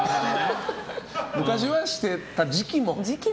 昔はしてた時期も。